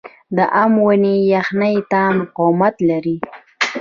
د ام ونې یخنۍ ته مقاومت لري؟